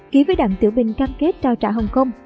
ký với đảng tiểu bình cam kết trao trả hồng kông